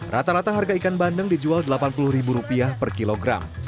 rata rata harga ikan bandeng dijual delapan puluh ribu rupiah per kilogram